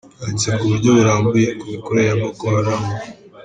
Yanditse ku buryo burambuye ku mikorere ya Boko Haram.